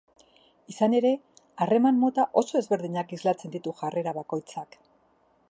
Izan ere, harreman mota oso ezberdinak islatzen ditu jarrera bakoitzak.